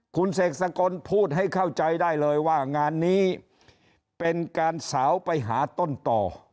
คุณเสกสกลพูดให้เข้าใจได้เลยว่างานนี้เป็นการสาวไปหาต้นต่อ